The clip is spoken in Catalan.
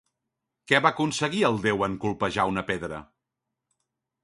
Què va aconseguir el déu en colpejar una pedra?